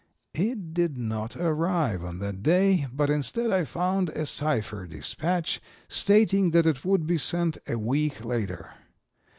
It did not arrive on that day; but instead I found a cipher dispatch stating that it would be sent a week later.